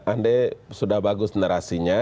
ande sudah bagus narasinya